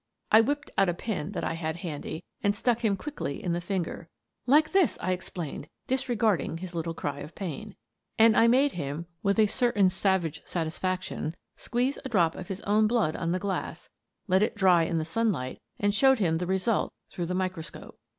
I whipped out a pin that I had handy, and stuck him quickly in the finger. "Like this," I explained, disregarding his little cry of pain. And I made him, with a certain savage satisfac tion, squeeze a drop of his own blood on the glass, let it dry in the sunlight, and showed him the result through the microscope.